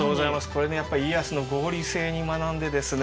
これねやっぱり家康の合理性に学んでですね